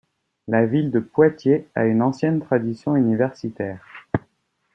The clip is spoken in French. La ville de Poitiers a une ancienne tradition universitaire.